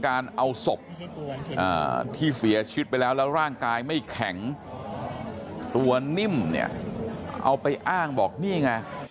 การเอาศพที่เสียชีวิตไปแล้วแล้วร่างกายไม่แข็งตัวนิ่มเนี่ยเอาไปอ้างบอกนี่ไง